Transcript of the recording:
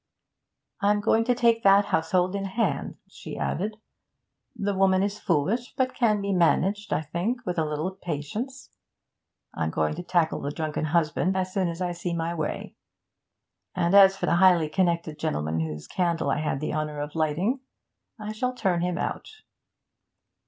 'I'm going to take that household in hand,' she added. 'The woman is foolish, but can be managed, I think, with a little patience. I'm going to tackle the drunken husband as soon as I see my way. And as for the highly connected gentleman whose candle I had the honour of lighting, I shall turn him out.'